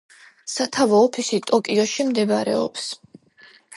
სათავო ოფისი ტოკიოში მდებარეობს.